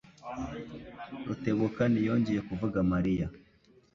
Rutebuka ntiyongeye kuvuga Mariya.